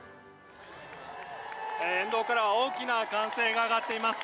沿道からは大きな歓声が上がっています。